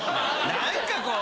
何かこう。